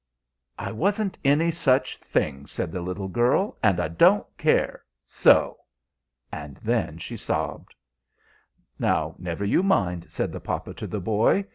"I wasn't, any such thing!" said the little girl. "And I don't care! So!" and then she sobbed. "Now, never you mind," said the papa to the boy.